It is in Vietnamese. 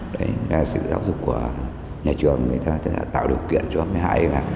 đấy là sự giáo dục của nhà trường người ta đã tạo điều kiện cho mấy hai em ạ